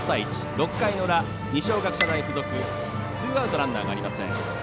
６回の裏、二松学舎大付属ツーアウトランナーがありません。